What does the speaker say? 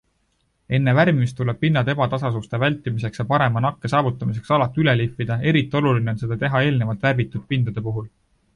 Enne värvimist tuleb pinnad ebatasasuste vältimiseks ja parema nakke saavutamiseks alati üle lihvida, eriti oluline on seda teha eelnevalt värvitud pindade puhul.